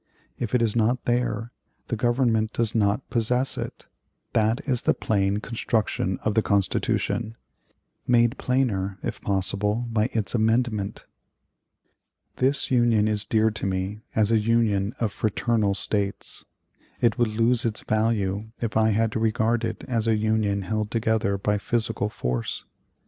If it is not there, the Government does not possess it. That is the plain construction of the Constitution made plainer, if possible, by its amendment. "This Union is dear to me as a Union of fraternal States. It would lose its value if I had to regard it as a Union held together by physical force.